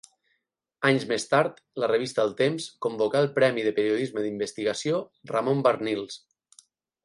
Anys més tard, la revista El Temps convocà el Premi de periodisme d'investigació Ramon Barnils.